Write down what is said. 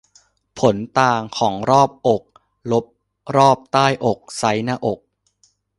ผลต่างของรอบอก ลบ รอบใต้อก ไซซ์หน้าอก